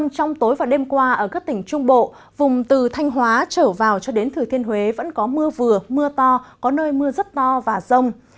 trong tối và đêm qua ở các tỉnh trung bộ vùng từ thanh hóa trở vào cho đến thừa thiên huế vẫn có mưa vừa mưa to có nơi mưa rất to và rông